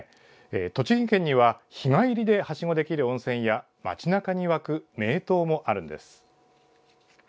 栃木県には日帰りではしごできる温泉や町中に沸く名湯もあるんです。